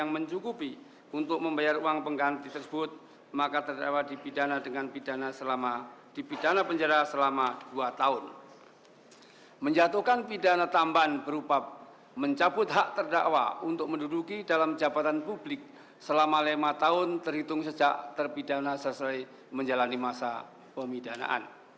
menjatuhkan pidana tambahan berupa mencabut hak terdakwa untuk menduduki dalam jabatan publik selama lima tahun terhitung sejak terpidana sesuai menjalani masa pemidanaan